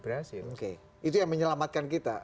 berhasil itu yang menyelamatkan kita